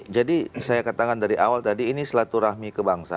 jadi saya katakan dari awal tadi ini selaturahmi kebangsaan